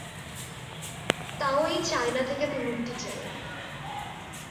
তাও এই চায়না থেকে আমি মুক্তি চাই!